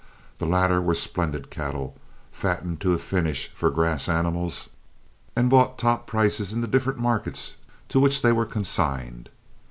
The latter were splendid cattle, fatted to a finish for grass animals, and brought top prices in the different markets to which they were consigned.